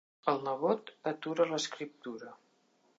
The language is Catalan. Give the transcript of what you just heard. El nebot atura l'escriptura.